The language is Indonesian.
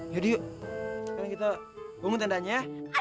yaudah yuk sekarang kita bangun tandanya